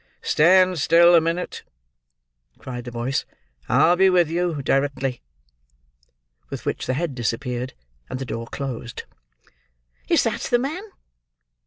"Stand still, a minute," cried the voice; "I'll be with you directly." With which the head disappeared, and the door closed. "Is that the man?"